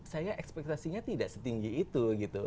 saya ekspektasinya tidak setinggi itu gitu